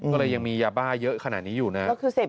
ก็เลยยังมียาบ้าเยอะขนาดนี้อยู่นะ